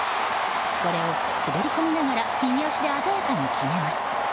これを滑り込みながら右足で鮮やかに決めります。